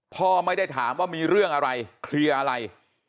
พ่อไม่ได้ถามว่ามีเรื่องอะไรเคลียร์อะไร